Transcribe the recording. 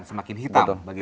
semakin hitam begitu